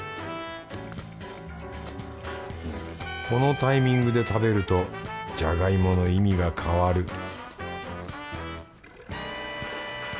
このタイミングで食べるとジャガイモの意味が変わる